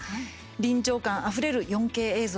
臨場感あふれる４Ｋ映像